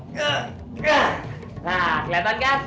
nah keliatan kan